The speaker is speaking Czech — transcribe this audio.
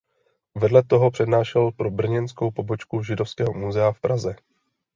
Vedle toho přednášel pro Brněnskou pobočku Židovského muzea v Praze.